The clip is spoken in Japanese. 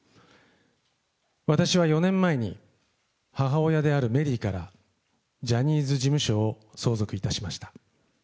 私は４年前に、母親であるメリーから、ジャニーズ事務所を相続いたしました。